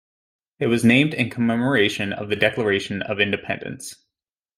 It was named in commemoration of the Declaration of Independence.